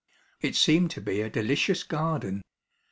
It seemed to be a delicious garden.